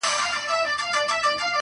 ادبي محفلونو کي یې شعرونه لوستل -